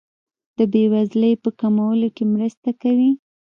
د بیوزلۍ په کمولو کې مرسته کوي.